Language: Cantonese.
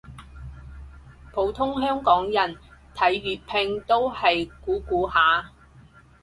普通香港人睇粵拼都係估估下